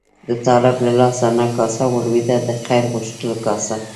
د طالب له لاس نه کاسه ولوېده، د خیر غوښتلو کاسه.